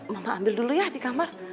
mama ambil dulu ya di kamar